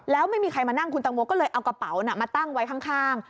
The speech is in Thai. แล้วไม่มีใครมานั่งคุณตังโมก็เลยเอากระเป๋ามาตั้งไว้ข้าง